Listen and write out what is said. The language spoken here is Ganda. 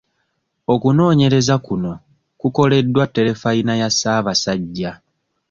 Okunoonyereza kuno kukoleddwa terefiyina ya Ssaabasajja.